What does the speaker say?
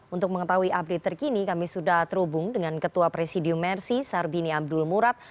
untuk mengetahui update terkini kami sudah terhubung dengan ketua presidium mersi sarbini abdul murad